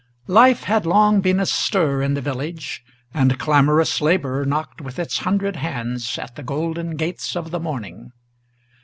Life had long been astir in the village, and clamorous labor Knocked with its hundred hands at the golden gates of the morning.